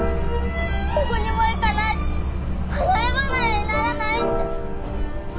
どこにも行かないし離ればなれにならないって。